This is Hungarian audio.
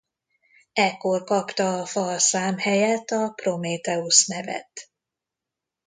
Ekkor kapta a fa a szám helyett a Prométheusz nevet.